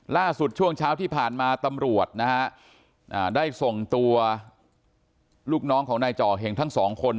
ช่วงเช้าที่ผ่านมาตำรวจนะฮะได้ส่งตัวลูกน้องของนายจ่อเหงทั้งสองคน